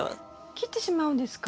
切ってしまうんですか？